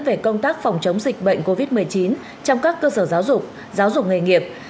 về công tác phòng chống dịch bệnh covid một mươi chín trong các cơ sở giáo dục giáo dục nghề nghiệp